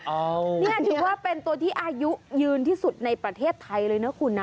นี่ถือว่าเป็นตัวที่อายุยืนที่สุดในประเทศไทยเลยนะคุณนะ